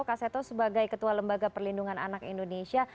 kak seto sebagai ketua lembaga perlindungan anak indonesia